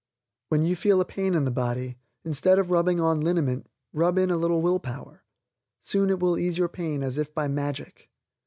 When you feel a pain in the body, instead of rubbing on liniment, rub in a little will power; soon it will ease your pain as if by magic.